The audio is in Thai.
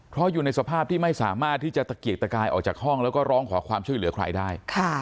เพราะอยู่ในสภาพที่ไม่สามารถที่จะตะเกียกตะกายออกจากห้องแล้วก็ร้องขอความช่วยเหลือใครได้